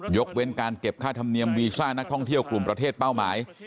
เว้นการเก็บค่าธรรมเนียมวีซ่านักท่องเที่ยวกลุ่มประเทศเป้าหมาย